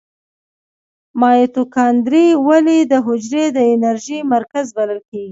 مایتوکاندري ولې د حجرې د انرژۍ مرکز بلل کیږي؟